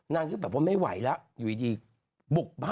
นางคิดแบบว่าไม่ไหวแล้วไปกด